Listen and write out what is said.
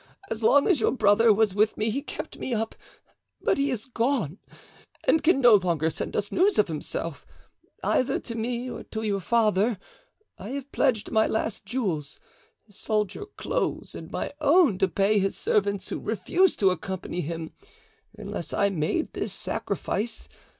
As long as your brother was with me he kept me up; but he is gone and can no longer send us news of himself, either to me or to your father. I have pledged my last jewels, sold your clothes and my own to pay his servants, who refused to accompany him unless I made this sacrifice.